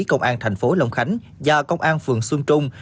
công an thành phố long khánh và công an phường xuân trung